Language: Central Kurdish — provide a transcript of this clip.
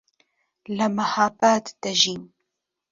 لە مەهاباد دەژیم.